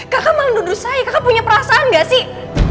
kakak mau nuduh saya kakak punya perasaan gak sih